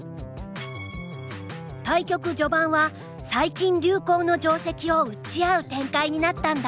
対局序盤は最近流行の定石を打ち合う展開になったんだ。